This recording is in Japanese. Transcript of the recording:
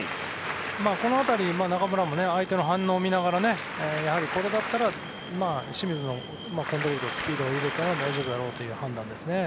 この辺り、中村も相手の反応を見ながらやはり、これだったら清水のコントロールとスピードなら大丈夫だろうという判断ですよね。